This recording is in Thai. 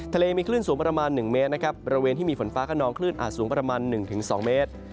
ทะเลมีคลื่นสูงประมาณ๑เมตรนะครับบริเวณที่มีฝนฟ้าขนองคลื่นอาจสูงประมาณ๑๒เมตร